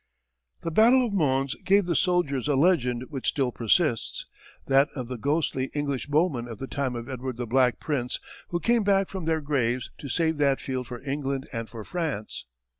The battle of Mons gave the soldiers a legend which still persists that of the ghostly English bowmen of the time of Edward the Black Prince who came back from their graves to save that field for England and for France.